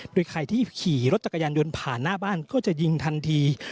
โดยใครที่ขี่รถจักรยานยนต์ผ่านหน้าบ้านก็จะยิงทันที